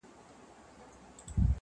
د پښتو غزل ساقي دی,